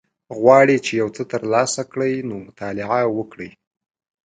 غواړی چی یوڅه تر لاسه کړی نو مطالعه وکړه